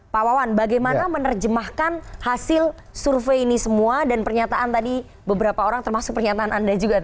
pak wawan bagaimana menerjemahkan hasil survei ini semua dan pernyataan tadi beberapa orang termasuk pernyataan anda juga tadi